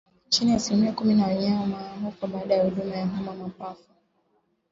Chini ya asilimia kumi ya wanyama hufa baada ya huduma ya homa ya mapafu